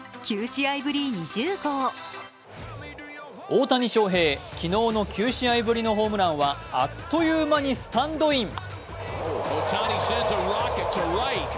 大谷翔平、昨日の９試合ぶりのホームランはあっと言う間にスタンドイン。